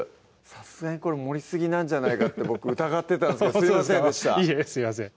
さすがにこれ盛りすぎなんじゃないかって僕疑ってたんですけどすいませんでした